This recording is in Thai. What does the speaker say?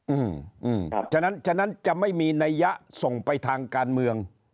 อืมอืมฉะนั้นจะไม่มีนัยยะส่งไปทางการเมือง